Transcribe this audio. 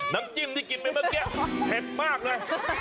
น้ำจิ้มที่กินไปเมื่อกี้เผ็ดมากเลย